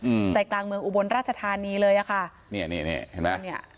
อืมใจกลางเมืองอุบลราชธานีเลยอ่ะค่ะเนี้ยนี่นี่เห็นไหมเนี้ย